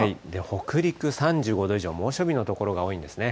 北陸３５度以上、猛暑日の所が多いんですね。